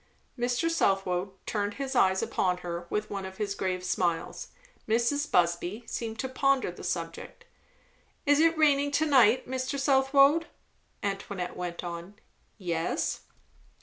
Mr. Southwode turned his eyes upon her with one of his grave smiles. Mrs. Busby seemed to ponder the subject. "Is it raining to night, Mr. Southwode?" Antoinette went on. "Yes."